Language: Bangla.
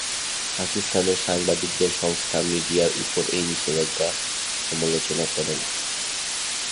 পাকিস্তানের সাংবাদিকদের সংস্থা মিডিয়ার উপর এই নিষেধাজ্ঞার সমালোচনা করে।